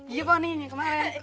iya pak nih kemaren